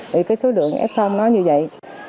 vì cái số đường f nó như vậy